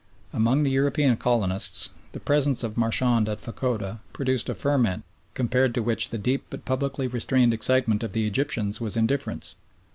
Among the European colonists the presence of Marchand at Fachoda produced a ferment compared to which the deep but publicly restrained excitement of the Egyptians was indifference.